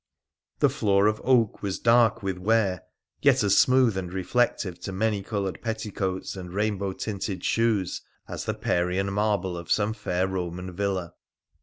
The floor of oak was dark with wear, yet as smooth and reflective to many coloured petticoats and rainbow tinted shoea as the Parian marble of some fair Boman villa.